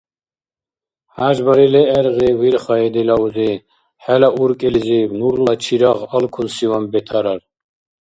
ХӀяж барили гӀергъи, вирхаи, дила узи, хӀела уркӀилизиб нурла чирагъ алкусиван бетарар.